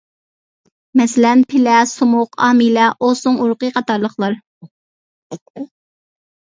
مەسىلەن، پىلە، سۇمۇق، ئامىلە، ئوسۇڭ ئۇرۇقى قاتارلىقلار.